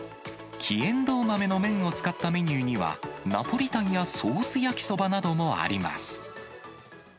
黄えんどう豆の麺を使ったメニューには、ナポリタンやソース焼きそばなどもあります。